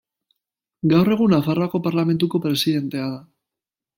Gaur egun, Nafarroako Parlamentuko presidentea da.